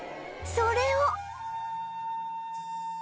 それを